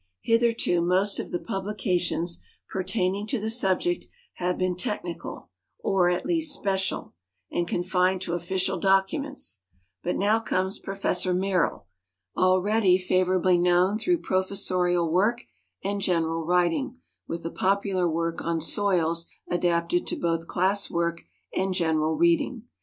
Hitherto most of the publications pertaining to the subject have been technical or at least special, and confined to official documents ; but now comes Professor Merrill, already favorably known through professorial work and general w^riting, with a popular work on soils adapted to both class work and genei'al reading.